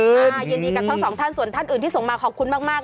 ยินดีกับทั้งสองท่านส่วนท่านอื่นที่ส่งมาขอบคุณมาก